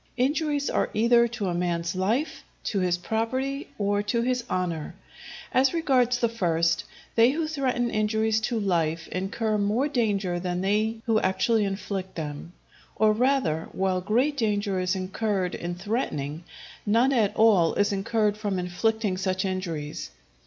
Injuries are either to a man's life, to his property, or to his honour. As regards the first, they who threaten injuries to life incur more danger than they who actually inflict them; or rather, while great danger is incurred in threatening, none at all is incurred from inflicting such injuries.